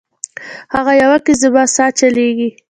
هغه یوه کي زما سا چلیږي